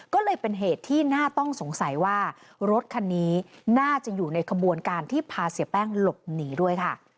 ก็เลยเป็นเหตุที่น่าต้องสงสัยว่ารถคันนี้น่าจะอยู่ในขบวนการที่พาเสียแป้งหลบหนีด้วยค่ะ